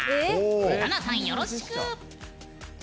らなさんよろしく。